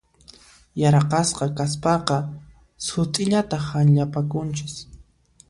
Yaraqasqa kaspaqa sut'illata hanllapakunchis.